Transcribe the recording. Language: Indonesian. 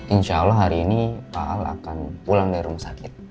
insya allah hari ini pak al akan pulang dari rumah sakit